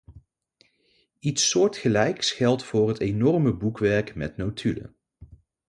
Iets soortgelijks geldt voor het enorme boekwerk met notulen.